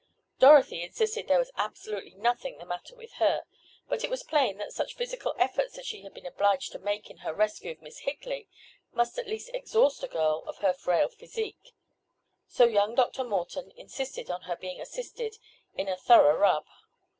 Dorothy insisted there was absolutely nothing the matter with her, but it was plain that such physical efforts as she had been obliged to make in her rescue of Miss Higley, must at least exhaust a girl of her frail physique. So young Dr. Morton insisted on her being assisted in a "thorough rub."